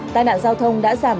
tài nạn giao thông đã giảm